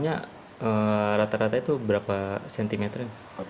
hanya rata rata itu berapa sentimeter